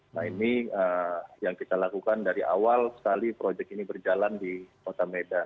nah ini yang kita lakukan dari awal sekali proyek ini berjalan di kota medan